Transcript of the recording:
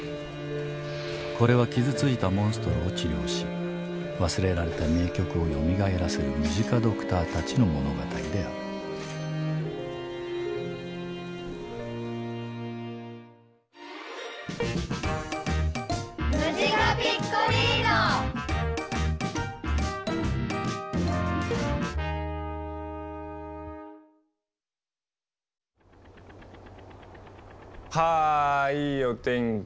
これは傷ついたモンストロを治療し忘れられた名曲をよみがえらせるムジカドクターたちの物語であるはぁいいお天気。